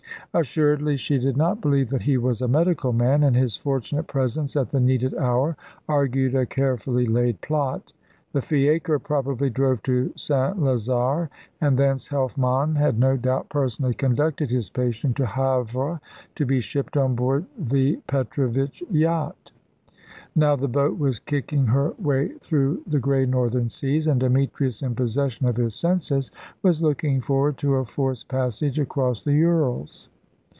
Assuredly she did not believe that he was a medical man, and his fortunate presence at the needed hour argued a carefully laid plot. The fiacre probably drove to St. Lazare, and thence Helfmann had no doubt personally conducted his patient to Havre to be shipped on board the Petrovitch yacht. Now the boat was kicking her way through the grey northern seas, and Demetrius, in possession of his senses, was looking forward to a forced passage across the Urals.